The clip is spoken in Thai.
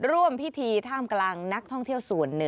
ร่วมพิธีท่ามกลางนักท่องเที่ยวส่วนหนึ่ง